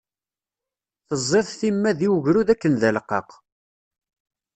Teẓẓiḍ timmad i ugrud akken d aleqqaq.